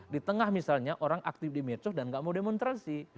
di tengah misalnya orang aktif di medsos dan nggak mau demonstrasi